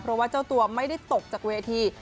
เพราะว่าเจ้าตัวไม่ได้ตกจากเวที